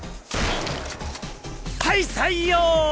はい採用！